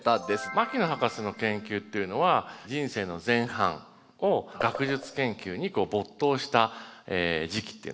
牧野博士の研究っていうのは人生の前半を学術研究に没頭した時期っていうのがあるわけですね。